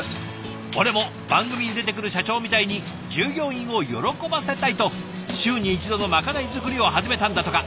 「俺も番組に出てくる社長みたいに従業員を喜ばせたい」と週に１度のまかない作りを始めたんだとか。